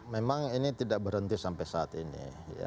memang ini tidak berhenti sampai saat ini